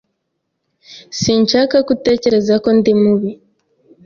Sinshaka ko utekereza ko ndi mubi.